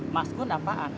mas gun apaan